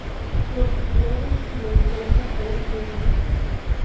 Los ledes de la empresa Cree Inc.